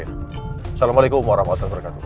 assalamualaikum warahmatullahi wabarakatuh